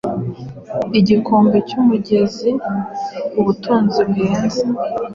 igikombe cyumugeziubutunzi buhenze-